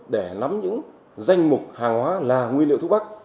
để nắm những danh mục hàng hóa là nguyên liệu thuốc bắc